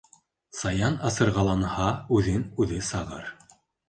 Саян асырғаланһа, үҙен-үҙе сағыр.